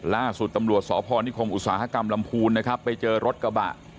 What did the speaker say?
ล่าสุดตำรวจสพนิคมอุตสาหกรรมลำพูนนะครับไปเจอรถกระบะ